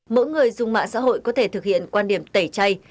mỗi người dùng mạng xã hội có thể thực hiện quan điểm tẩy chay